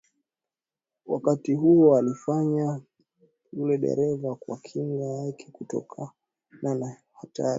Wakati huo alimfanya yule dereva kuwa kinga yake kutokana na hatari